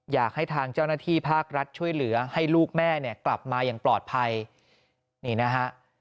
อยากให้ทางเจ้าหน้าที่ภาครัฐช่วยเหลือให้ลูกแม่เนี่ยกลับมาอย่างปลอดภัยนี่นะฮะ